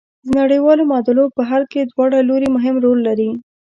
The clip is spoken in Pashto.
د نړیوالو معادلو په حل کې دواړه لوري مهم رول لري.